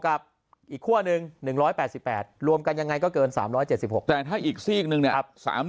กับอีกขั้วหนึ่ง๑๘๘รวมกันยังไงก็เกิน๓๗๖แต่ถ้าอีกซีกหนึ่งเนี่ย